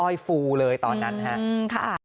อ้อยฟูเลยตอนนั้นค่ะ